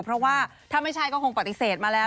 เพราะว่าถ้าไม่ใช่ก็คงปฏิเสธมาแล้ว